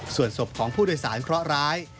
ส่วนศพของผู้โดยสารเคราะหร้าย